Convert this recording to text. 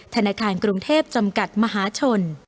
ธนาคารกรุงเทพจำกัดมหาชน